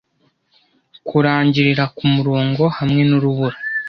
Kurangirira kumurongo hamwe nurubura.